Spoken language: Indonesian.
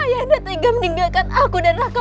ayah anda tinggal meninggalkan aku dan raka